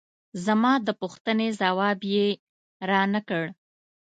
زما د پوښتنې ځواب یې را نه کړ.